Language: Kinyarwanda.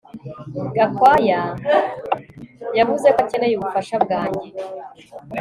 Gakwaya yavuze ko akeneye ubufasha bwanjye